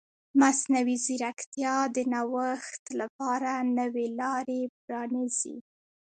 مصنوعي ځیرکتیا د نوښت لپاره نوې لارې پرانیزي.